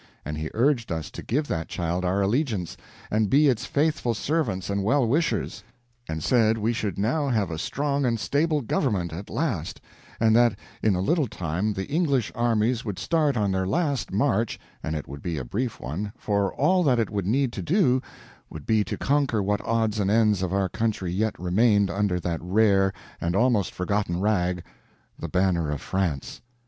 And he urged us to give that child our allegiance, and be its faithful servants and well wishers; and said we should now have a strong and stable government at last, and that in a little time the English armies would start on their last march, and it would be a brief one, for all that it would need to do would be to conquer what odds and ends of our country yet remained under that rare and almost forgotten rag, the banner of France.